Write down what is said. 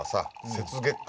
「雪月花」